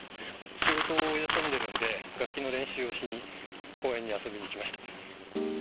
仕事を休んでるんで、楽器の練習をしに、公園に遊びに来ました。